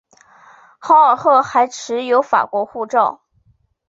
豪尔赫还持有法国护照。